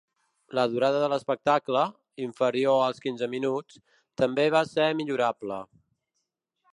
La durada de l’espectacle, inferior als quinze minuts, també va ser millorable.